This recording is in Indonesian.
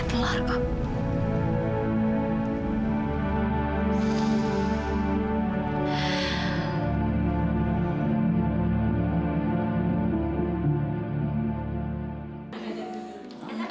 terima kasih pak